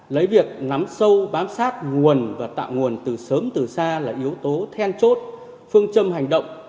lấy việc nắm sâu bám sát nguồn và tạo nguồn từ sớm từ xa là yếu tố then chốt phương châm hành động